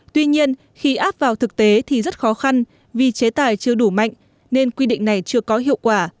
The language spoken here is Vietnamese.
tuy nhiên khi áp vào thực tế thì rất khó khăn vì chế tài chưa đủ mạnh nên quy định này chưa có hiệu quả